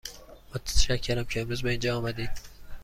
متشکرم که امروز به اینجا آمدید.